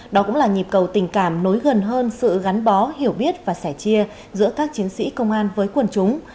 đó cũng là nhịp cầu tình cảm nối gần hơn sự gắn bó hiểu biết và sẻ chia giữa các chiến sĩ công an với quần chúng